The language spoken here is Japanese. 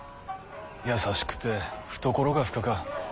優しくて懐が深か。